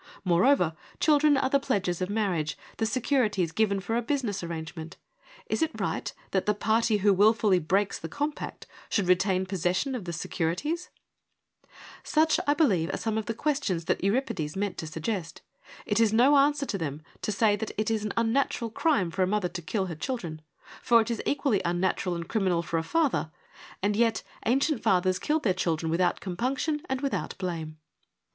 Moreover, children are the pledges of marriage, the securities given for a business arrangement. Is it right that the party who wil fully breaks the compact should retain possession of the securities ? Such I believe are some of the questions that Euripides meant to suggest. It is no answer to them to say that it is an unnatural crime for a mother to kill her children, for it is equally unnatural THE FOUR FEMINIST PLAYS 127 and criminal for a father, and yet ancient fathers killed their children without compunction and with out blame.